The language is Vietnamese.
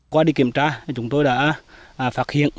qua đi kiểm tra chúng tôi đã phát hiện